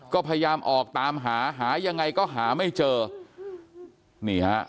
ก็พยายามออกตามหาหายังไงก็หาไม่เจอนี่ฮะ